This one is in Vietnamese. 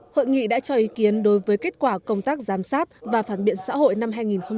hội nghị đã cho ý kiến đối với kết quả công tác giám sát và phản biện xã hội năm hai nghìn một mươi tám